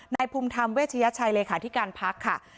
ในภูมิธรรมเวชยชัยเลยค่ะที่การพักค่ะ